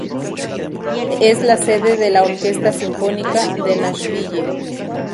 Es la sede de la Orquesta Sinfónica de Nashville.